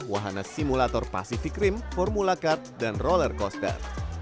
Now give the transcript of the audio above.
wahana simulator pasifik rim formula kart dan roller coaster